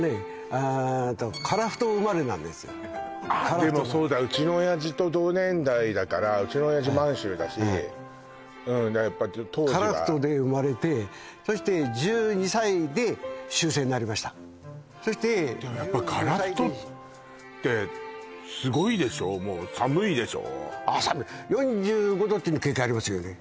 えっと樺太生まれなんですあっでもそうだうちの親父と同年代だからうちの親父満洲だしうんやっぱ当時は樺太で生まれてそしてそして１５歳ででもやっぱ樺太ってすごいでしょもう寒いでしょああ寒い４５℃っていうの経験ありますよね